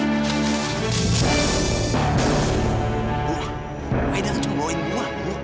ibu aida akan cuma bawa ibu aku